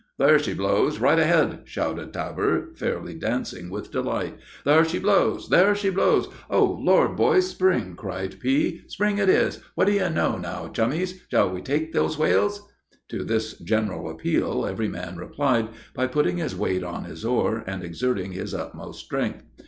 "There she blows! right ahead!" shouted Tabor, fairly dancing with delight. "There she blows there she blows!" "Oh, Lord, boys, spring!" cried P . "Spring it is! What d'ye say, now, chummies? Shall we take those whales?" To this general appeal, every man replied by putting his weight on his oar, and exerting his utmost strength.